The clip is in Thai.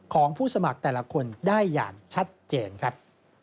ของผู้สมัครแต่ละคนได้อย่างชัดเจนครับ